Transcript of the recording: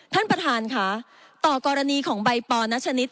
ท่านประธานค่ะต่อกรณีของใบปอนัชนิด